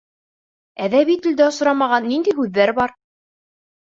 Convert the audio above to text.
Әҙәби телдә осрамаған ниндәй һүҙҙәр бар?